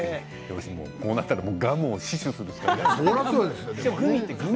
こうなったらガムを死守するしかない。